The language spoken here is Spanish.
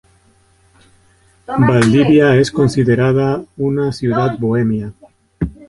Valdivia es considerada una ciudad bohemia.